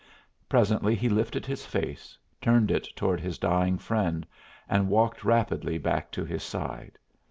Presently he lifted his face, turned it toward his dying friend and walked rapidly back to his side.